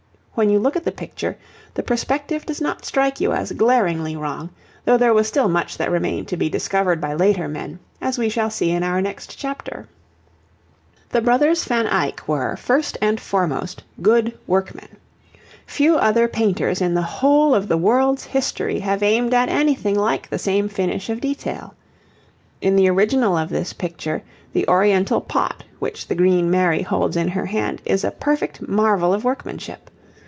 When you look at the picture the perspective does not strike you as glaringly wrong, though there was still much that remained to be discovered by later men, as we shall see in our next chapter. The brothers Van Eyck were, first and foremost, good workmen. Few other painters in the whole of the world's history have aimed at anything like the same finish of detail. In the original of this picture the oriental pot which the green Mary holds in her hand is a perfect marvel of workmanship.